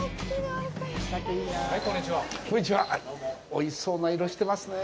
おいしそうな色してますね。